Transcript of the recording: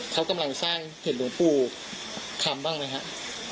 เขากำลังสร้างเห็นหลวงปู่คำบ้างไหมฮะ